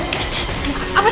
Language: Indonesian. kasih dia duit